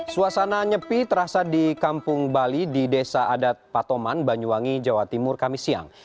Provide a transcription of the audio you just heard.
suasana nyepi terasa di kampung bali di desa adat patoman banyuwangi jawa timur kami siang